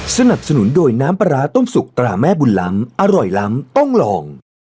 สนับสนุนโดยน้ำปลาร้าต้มสุกตราแม่บุญล้ำอร่อยล้ำต้องลอง